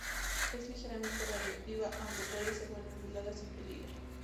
Es ligeramente radioactiva, aunque puede ser manipulada sin peligro.